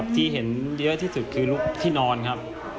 ที่เห็นเยอะที่สุดคือที่นอนครับ